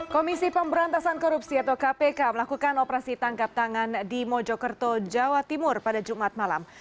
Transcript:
komisi pemberantasan korupsi atau kpk melakukan operasi tangkap tangan di mojokerto jawa timur pada jumat malam